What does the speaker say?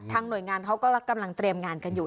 หน่วยงานเขาก็กำลังเตรียมงานกันอยู่